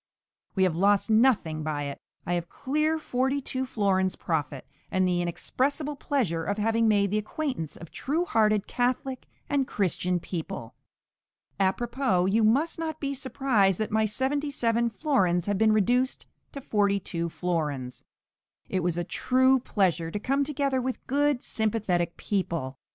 We have lost nothing by it. I have clear forty two florins profit, and the inexpressible pleasure of having made the acquaintance of true hearted Catholic and Christian people. A propos, you must not be surprised that my seventy seven florins have been reduced to forty two florins. It was a true pleasure to come together with good sympathetic people.